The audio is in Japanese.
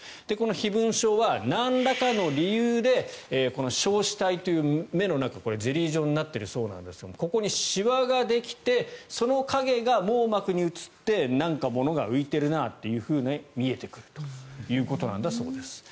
飛蚊症はなんらかの理由で硝子体という目の中ゼリー状になっているそうですがここにしわができてその影が網膜に映ってなんか物が浮いているなと見えてくるということなんだそうです。